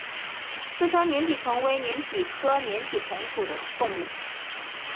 四川粘体虫为粘体科粘体虫属的动物。